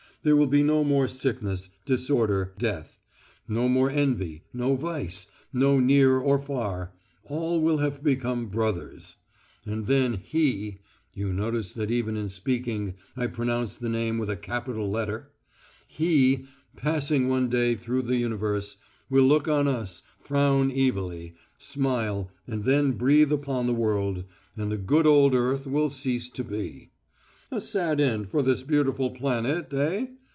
There will be no more sickness, disorder, death; no more envy, no vice, no near or far, all will have become brothers, And then He you notice that even in speaking I pronounce the name with a capital letter He, passing one day through the universe, will look on us, frown evilly, smile, and then breathe upon the world and the good old Earth will cease to be. A sad end for this beautiful planet, eh?